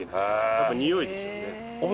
やっぱにおいでしょうね。